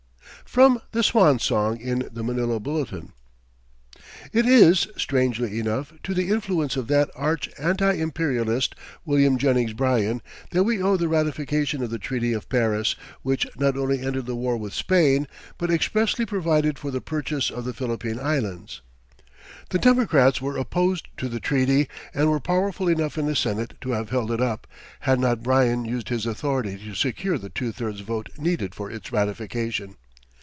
From "The Swan Song," in the Manila Bulletin. It is, strangely enough, to the influence of that arch anti imperialist, William Jennings Bryan, that we owe the ratification of the Treaty of Paris, which not only ended the war with Spain but expressly provided for the purchase of the Philippine Islands. The Democrats were opposed to the treaty and were powerful enough in the Senate to have held it up, had not Bryan used his authority to secure the two thirds vote needed for its ratification.